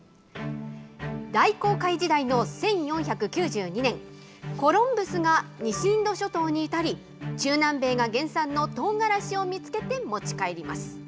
大航海時代の１４９２年、コロンブスが西インド諸島に至り、中南米が原産のとうがらしを見つけて持ち帰ります。